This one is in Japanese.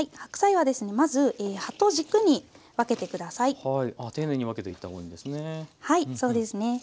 はいそうですね。